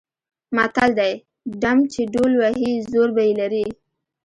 متل دی: ډم چې ډول وهي زور به یې لري.